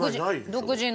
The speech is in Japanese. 独自の。